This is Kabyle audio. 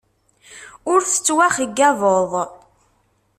Ur tettwaxeyyabeḍ.